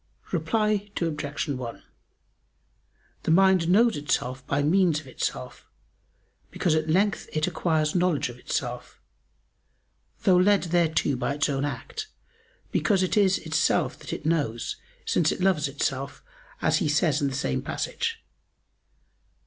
Reply Obj. 1: The mind knows itself by means of itself, because at length it acquires knowledge of itself, though led thereto by its own act: because it is itself that it knows, since it loves itself, as he says in the same passage.